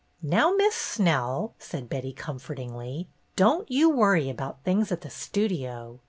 "Now, Miss Snell," said Betty, comfortingly, "don't you worry about things at the Studio.